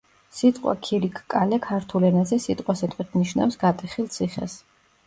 სიტყვა ქირიქკალე ქართულ ენაზე სიტყვასიტყვით ნიშნავს გატეხილ ციხეს.